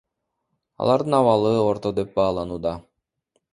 Алардын абалы орто деп бааланууда.